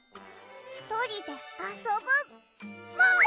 ひとりであそぶもん！